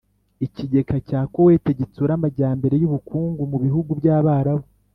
Ikigega cya Koweti Gitsura Amajyambere yUbukungu mu Bihugu byabarabu